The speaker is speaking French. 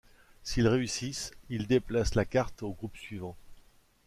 S'ils réussissent, ils déplacent la carte au groupe suivant.